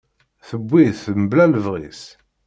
Tuwi-t mebla lebɣi-s.